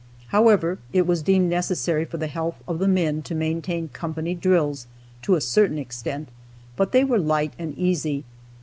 However, it was deemed necessary for the health of the men to maintain company drills to a certain extent, but they were light and easy.